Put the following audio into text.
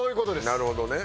なるほどね。